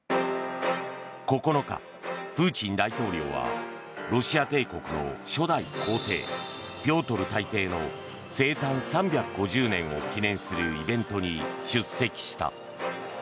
９日、プーチン大統領はロシア帝国の初代皇帝ピョートル大帝の生誕３５０年を記念するイベントに出席した。